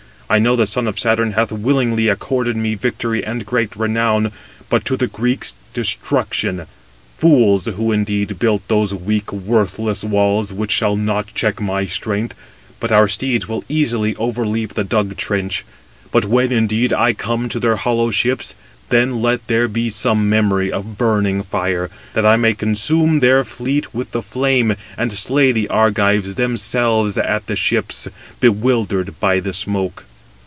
I know the son of Saturn hath willingly accorded me victory and great renown, but to the Greeks destruction. Fools, who indeed built those weak, worthless walls, which shall not check my strength; but our steeds will easily overleap the dug trench. But when, indeed, I come to their hollow ships, then let there be some memory of burning fire, that I may consume their fleet with the flame, and slay the Argives themselves at the ships, bewildered by the smoke."